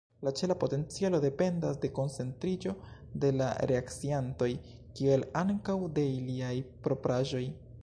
La ĉela potencialo dependas de koncentriĝo de la reakciantoj, kiel ankaŭ de iliaj propraĵoj.